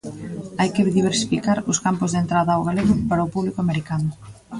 Hai que diversificar os campos de entrada ao galego para o público americano.